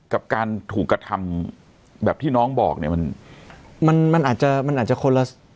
กับการถูกกระทำแบบที่น้องบอกเนี่ยมันมันอาจจะมันอาจจะคนละ